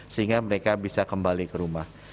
sehingga mereka bisa kembali ke rumah